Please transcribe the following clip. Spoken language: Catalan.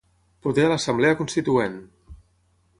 Poder a l'Assemblea Constituent!